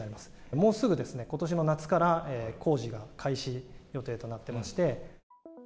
もうすぐ、ことしの夏から、工事が開始予定となってまして。